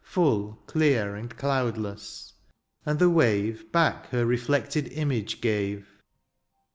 Full, clear, and cloudless ; and the wave Back her reflected image gave.